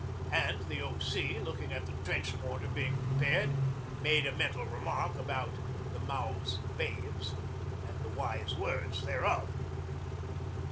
And the O.C., looking at the trench mortar being prepared, made a mental remark about 'the mouths of babes' and the wise words thereof.